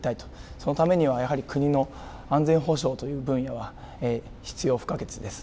そのためにはやはり国の安全保障という分野は必要不可欠です。